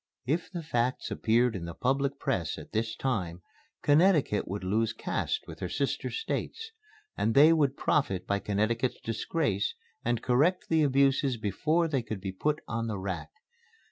If the facts appeared in the public press at this time, Connecticut would lose caste with her sister States. And they would profit by Connecticut's disgrace and correct the abuses before they could be put on the rack.